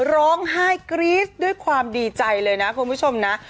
ร้องไห้กรี๊ดด้วยความดีใจเลยนะคุณผู้ชมนะ